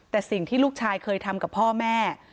แต่สิ่งที่ลูกชายเคยทำกับพ่อแม่